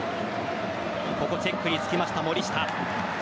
ここ、チェックについた森下。